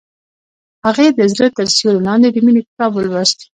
هغې د زړه تر سیوري لاندې د مینې کتاب ولوست.